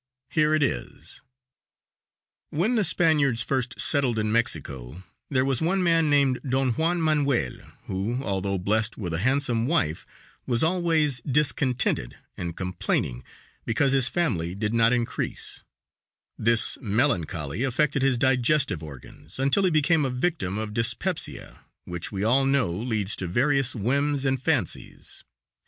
Here it is: When the Spaniards first settled in Mexico there was one man named Don Juan Manuel, who, although blessed with a handsome wife, was always discontented and complaining because his family did not increase; this melancholy affected his digestive organs, until he became a victim of dyspepsia, which we all know leads to various whims and fancies.